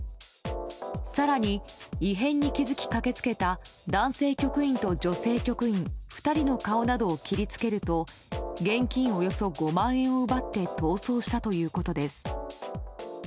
更に、異変に気付き駆け付けた男性局員と女性局員２人の顔などを切りつけると現金およそ５万円を奪って逃走したということです。